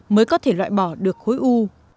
mới có thể loại bỏ được khối u